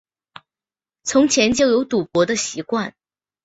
从前就有赌博的习惯